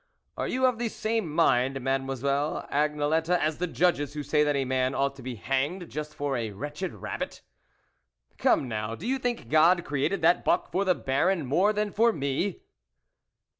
Are you of the same mind, Mademoiselle Agne lette, as the judges who say that a man ought to be hanged just for a wretched rabbit ? Come now, do you think God created that buck for the Baron more than for me?